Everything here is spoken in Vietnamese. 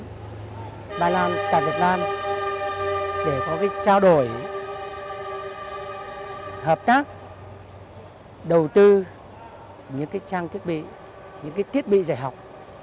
đại sứ quán ba lan tại việt nam để có cái trao đổi hợp tác đầu tư những cái trang thiết bị những cái thiết bị dạy học